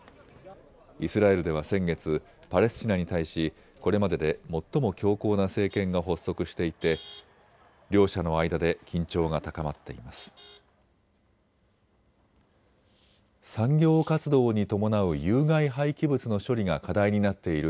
イスラエルでは先月、パレスチナに対しこれまでで最も強硬な政権が発足していて両者の間で緊張が高まっています。